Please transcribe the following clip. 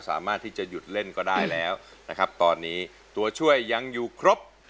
สามารถที่จะหยุดเล่นก็ได้แล้วนะครับตอนนี้ตัวช่วยยังอยู่ครบ